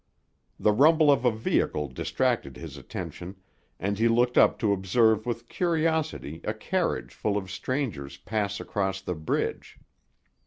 The rumble of a vehicle distracted his attention, and he looked up to observe with curiosity a carriage full of strangers pass across the bridge.